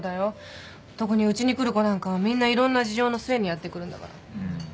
特にうちに来る子なんかはみんないろんな事情の末にやって来るんだから。